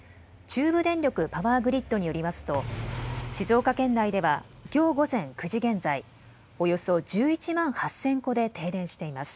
中部電力パワーグリッドによりますと静岡県内ではきょう午前９時現在、およそ１１万８０００戸で停電しています。